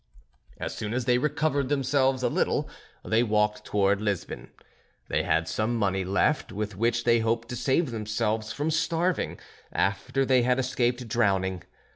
As soon as they recovered themselves a little they walked toward Lisbon. They had some money left, with which they hoped to save themselves from starving, after they had escaped drowning.